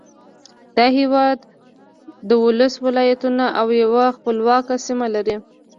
دا هېواد دولس ولایتونه او یوه خپلواکه سیمه لري.